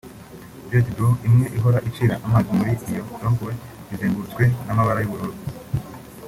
Jet d’Eau imwe ihora icira amazi muri iyo Rond Point izengurutswe n’amabara y’ubururu